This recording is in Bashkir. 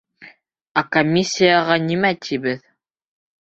Ә комиссияға нимә тибеҙ?